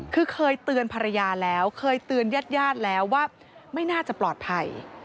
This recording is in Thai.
คือเคยเตือนภรรยาแล้วเคยเตือนญาติญาติแล้วว่าไม่น่าจะปลอดภัย